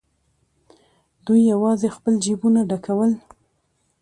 دوی یوازې خپل جېبونه ډکول.